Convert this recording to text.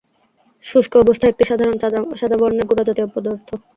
শুষ্ক অবস্থায় এটি সাধারণত সাদা বর্ণের গুড়াজাতীয় পদার্থ।